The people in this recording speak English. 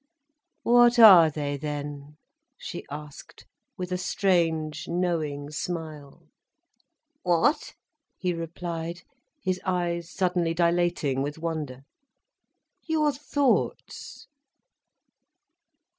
"What are they then?" she asked, with a strange, knowing smile. "What?" he replied, his eyes suddenly dilating with wonder. "Your thoughts."